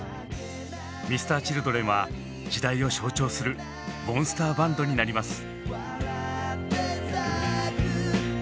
Ｍｒ．Ｃｈｉｌｄｒｅｎは時代を象徴するモンスターバンドになります。